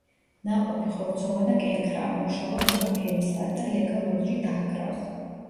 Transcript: ნაყოფი ხორცოვანი კენკრაა, მოშავო-მურა ფერისაა და ლეგა ლურჯი დაჰკრავს.